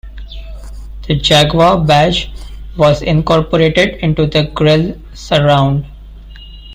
The Jaguar badge was incorporated into the grille surround.